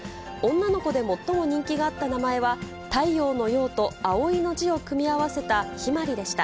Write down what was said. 女の子で最も人気があった名前は、太陽の陽と葵の字を組み合わせた陽葵でした。